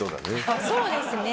そうですね。